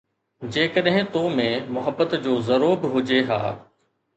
جيڪڏهن تو ۾ محبت جو ذرو به هجي ها